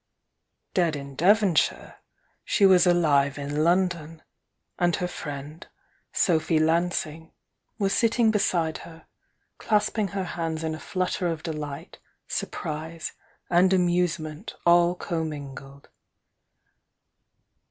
Dead in Devonshire, she was alive in London, and her friend, Sophy Lansing, was sitting beside her, clasp ing her hands in a flutter of delight, surprise and amusement all conuningled.